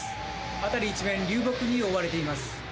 辺り一面、流木に覆われています。